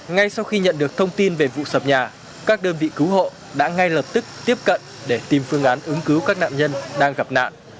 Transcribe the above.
ngay sau khi nhận được thông tin về vụ sập nhà các đơn vị cứu hộ đã ngay lập tức tiếp cận để tìm phương án ứng cứu các nạn nhân đang gặp nạn